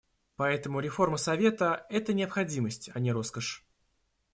Поэтому реформа Совета — это необходимость, а не роскошь.